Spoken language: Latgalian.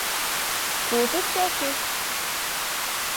Kū tu soki?!